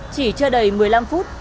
chỉ chưa đầy một mươi năm phút